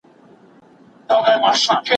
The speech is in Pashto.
کرۍ ورځ پر باوړۍ ګرځي ګړندی دی